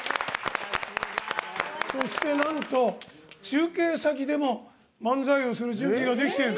そしてなんと中継先でも漫才をする準備ができている。